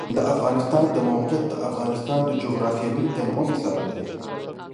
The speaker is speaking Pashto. د افغانستان د موقعیت د افغانستان د جغرافیوي تنوع مثال دی.